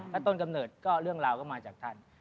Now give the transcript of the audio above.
ถ้าต้นกำเนิดก็เรื่องราวก็มาจากท่าน